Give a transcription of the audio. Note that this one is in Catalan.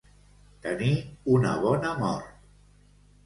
Tenir una bona mort.